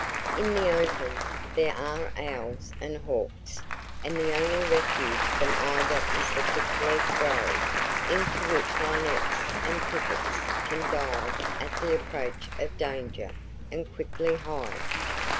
In the open, there are owls and hawks; and the only refuge from either is the thick leafed grove, into which linnets and pipits can dive at the approach of danger and quickly hide.